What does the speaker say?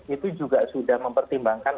itu juga sudah mempertimbangkan